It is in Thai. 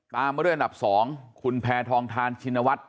ตามร่วมด้วยอันดับ๒คุณแผนทองธานชินวัฏ